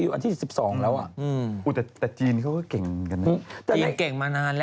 ยังไม่ชกมวยใช่มะยัง